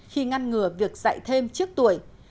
khi ngăn ngừa việc dạy thêm trước tuổi